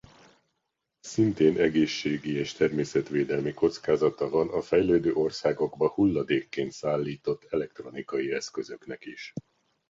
Szintén egészségi és természetvédelmi kockázata van a fejlődő országokba hulladékként szállított elektronikai eszközöknek is.